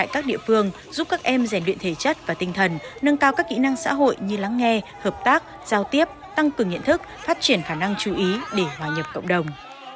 cùng cường nghiện thức phát triển khả năng chú ý để hòa nhập cộng đồng